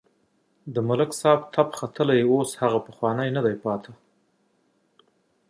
د ملک صاحب تپ ختلی اوس هغه پخوانی نه دی پاتې.